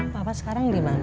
bapak sekarang dimana